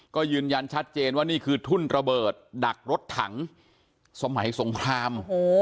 ก็ยืนยันชัดเจนว่านี่คือทุ่นระเบิดดักรถถังสมัยสงคราม